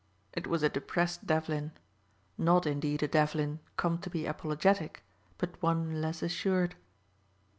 It was a depressed Devlin. Not indeed a Devlin come to be apologetic, but one less assured.